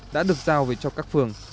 đã được giao về cho các phường